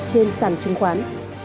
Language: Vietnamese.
trên sản chứng khoán